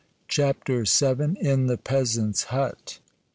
CHAPTER VII. IN THE PEASANT'S HUT.